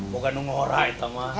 bukan nunggu orang itu mah